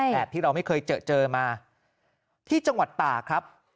แบบที่เราไม่เคยเจอเจอมาที่จังหวัดตากครับ